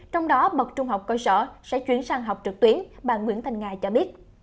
trong đó bậc trung học cơ sở sẽ chuyển sang học trực tuyến bà nguyễn thanh nga cho biết